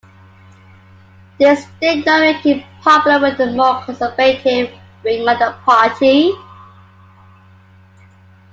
This did not make him popular with the more conservative wing of the party.